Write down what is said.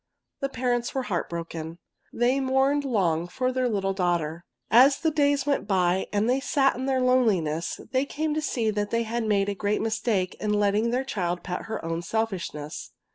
The parents were heart broken. They mourned long for their little daughter. As the days went by and they sat in their loneliness they came to see that they had made a great mistake in letting their child pet her own selfishness.